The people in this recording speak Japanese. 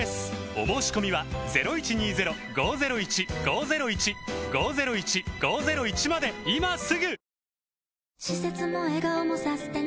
お申込みは今すぐ！